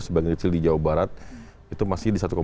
sebagian kecil di jawa barat itu masih di satu